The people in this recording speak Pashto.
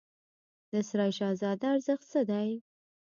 د سرای شهزاده ارزښت څه دی؟